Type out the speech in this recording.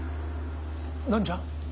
何じゃ。